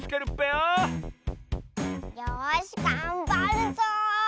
よしがんばるぞ！